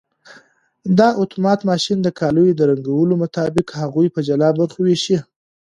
دا اتومات ماشین د کالیو د رنګونو مطابق هغوی په جلا برخو ویشي.